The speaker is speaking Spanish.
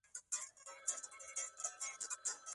Robert Burne nació ca.